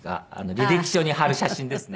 履歴書に貼る写真ですね。